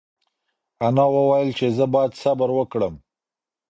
انا وویل چې زه باید صبر وکړم.